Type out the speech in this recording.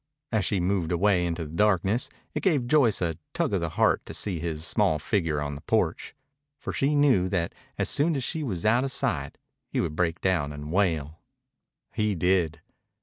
As she moved away into the darkness, it gave Joyce a tug of the heart to see his small figure on the porch. For she knew that as soon as she was out of sight he would break down and wail. He did.